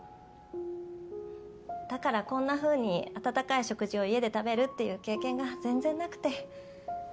だからこんなふうに温かい食事を家で食べるっていう経験が全然なくて。